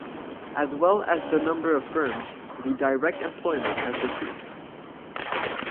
As well as the number of firms, the direct employment has decreased.